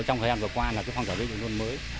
trong thời gian vừa qua là phong trào dân vận nôn mới